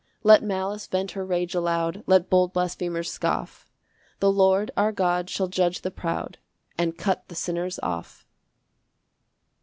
6 Let malice vent her rage aloud, Let bold blasphemers scoff; The Lord our God shall judge the proud, And cut the sinners off.